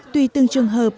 tùy từng trường hợp